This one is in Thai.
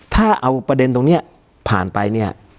ถ้าเอาประเด็นตรงนี้ผ่านไปเนี่ย